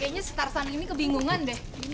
kayaknya si karan ini kebingungan deh